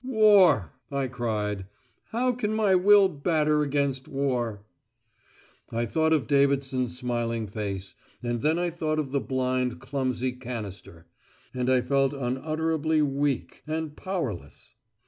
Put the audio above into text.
"War," I cried. "How can my will batter against war?" I thought of Davidson's smiling face; and then I thought of the blind clumsy canister. And I felt unutterably weak and powerless.